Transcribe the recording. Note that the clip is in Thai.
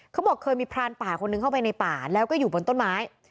เขาบอกเคยมีพรานป่าคนนึงเข้าไปในป่าแล้วก็อยู่บนต้นไม้